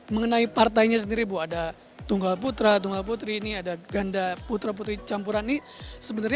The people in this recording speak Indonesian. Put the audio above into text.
mengenai partainya sendiri bu ada tunggal putra tunggal putri ini ada ganda putra putri campuran ini sebenarnya